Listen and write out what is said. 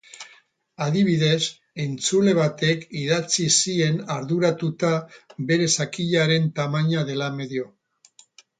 Adibidez, entzule batek idatzi zien arduratuta bere zakilaren tamaina dela medio.